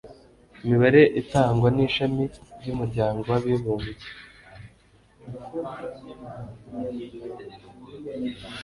Imibare itangwa n'Ishami ry'Umuryango w'Abibumbye